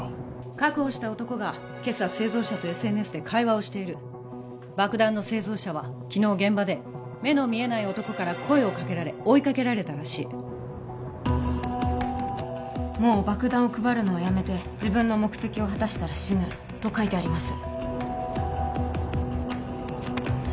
確保した男が今朝製造者とＳＮＳで会話をしている爆弾の製造者は昨日現場で目の見えない男から声をかけられ追いかけられたらしいもう爆弾を配るのはやめて自分の目的を果たしたら死ぬと書いてあります